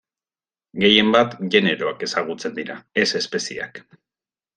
Gehien bat generoak ezagutzen dira ez espezieak.